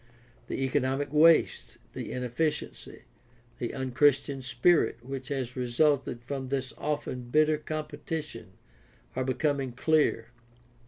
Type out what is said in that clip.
The economic waste, the inefficiency, the un Christian spirit which has resulted from this often bitter competition are becoming clear.